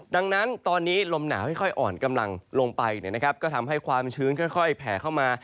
ดังนั้นตอนนี้ลมหนาวค่อยอ่อนกำลังลงไปก็ทำให้ความชื้นค่อยแผ่เข้ามา